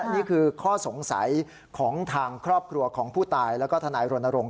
นี่คือข้อสงสัยของทางครอบครัวของผู้ตายแล้วก็ทนายรณรงค